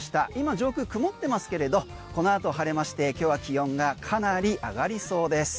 上空曇ってますけれどこの後晴れまして気温がかなり上がりそうです。